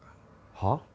はっ？